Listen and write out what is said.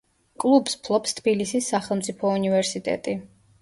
კლუბს ფლობს თბილისის სახელმწიფო უნივერსიტეტი.